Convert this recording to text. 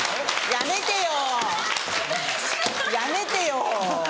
やめてよ！